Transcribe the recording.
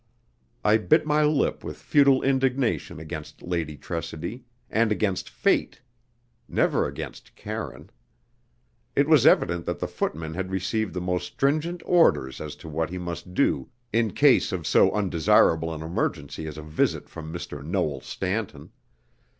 I bit my lip with futile indignation against Lady Tressidy, and against Fate never against Karine. It was evident that the footman had received the most stringent orders as to what he must do in case of so undesirable an emergency as a visit from Mr. Noel Stanton.